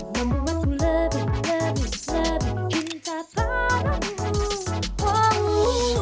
membuatku lebih lebih cinta padamu